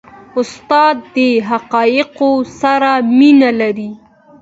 استاد د حقایقو سره مینه لري.